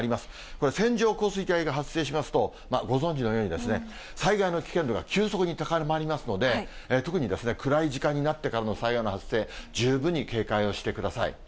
これ、線状降水帯が発生しますと、ご存じのように災害の危険度が急速に高まりますので、特に暗い時間になってからの災害の発生、十分に警戒をしてください。